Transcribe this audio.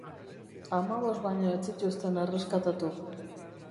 Hamabost baino ez zituzten erreskatatu.